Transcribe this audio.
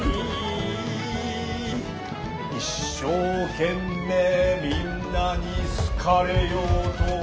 「一生懸命みんなに好かれようと」